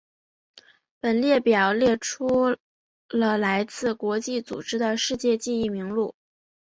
本列表列出了来自国际组织的世界记忆名录。